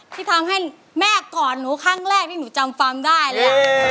ที่ทำให้แม่กอดหนูครั้งแรกที่หนูจำฟาร์มได้เลย